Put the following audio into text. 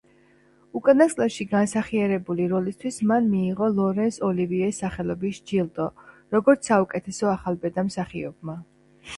უკანასკნელში განსახიერებული როლისთვის მან მიიღო ლორენს ოლივიეს სახელობის ჯილდო, როგორც საუკეთესო ახალბედა მსახიობმა.